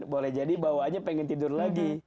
boleh jadi bawaannya pengen tidur lagi